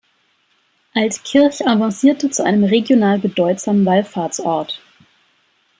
Altkirch avancierte zu einem regional bedeutsamen Wallfahrtsort.